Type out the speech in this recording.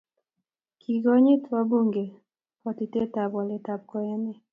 kikonyit wabungek bwotutietab waletab kayane.